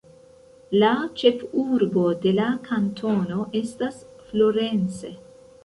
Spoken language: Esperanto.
La ĉefurbo de la kantono estas Florence.